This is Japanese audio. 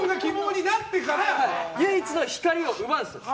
唯一の光を奪うんですよ。